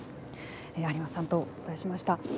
有馬さんとお伝えしました。